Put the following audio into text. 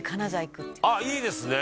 あっいいですね！